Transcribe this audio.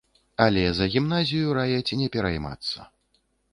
Але за гімназію раяць не пераймацца.